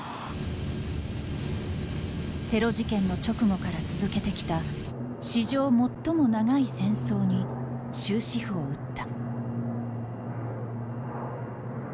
テロ事件の直後から続けてきた「史上最も長い戦争」に終止符を打った。